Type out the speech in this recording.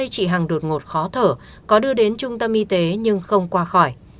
chị hằng đột ngột khó thở có đưa đến trung tâm y tế nhưng không qua khỏi